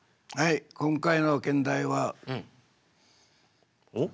今回の兼題は。おっ？